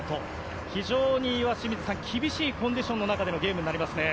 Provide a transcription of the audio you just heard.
非常に厳しいコンディションの中でのゲームになりますね。